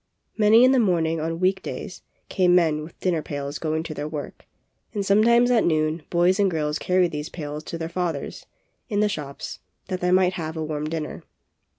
Early in the morning on week days, came men with dinner pails going to their work, and sometimes at noon boys and girls carried these pails to their fathers, in the shops, that they might have a warm dinner.